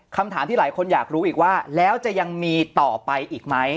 คำถามที่หลายคนอยากรู้อีกว่าแล้วจะยังมีต่อไปอีกไหม